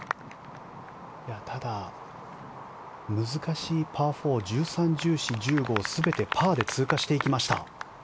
ただ、難しいパー４１３、１４、１５を全てパーで通過していきました。